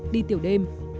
đi tiểu đêm